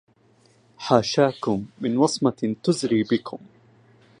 حاشاكم من وصمة تزري بكم